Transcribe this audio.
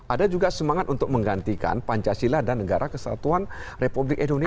ada juga semangat untuk menggantikan pancasila dan negara kesatuan republik indonesia